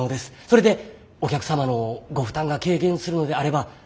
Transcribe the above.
それでお客様のご負担が軽減するのであればぜひ！